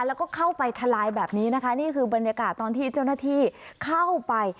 แล้วก็เข้าไปทลายแบบนี้นะคะนี่คือบรรยากาศตอนที่เจ้าหน้าที่เข้าไป